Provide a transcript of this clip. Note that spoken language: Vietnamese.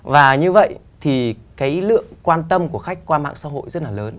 và như vậy thì cái lượng quan tâm của khách qua mạng xã hội rất là lớn